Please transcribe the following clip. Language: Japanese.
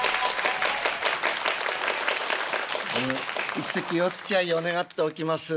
一席おつきあいを願っておきます。